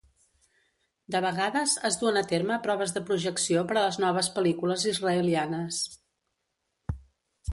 De vegades es duen a terme proves de projecció per a les noves pel·lícules israelianes.